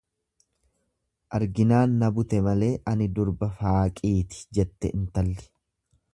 Arginaan na bute malee ani durba faaqiiti jette intalli.